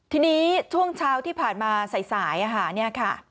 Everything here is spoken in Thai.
ทีนี้ช่วงเช้าที่ผ่านมาสายเนี่ยค่ะ